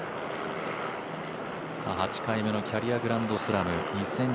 ８回目のキャリアグランドスラム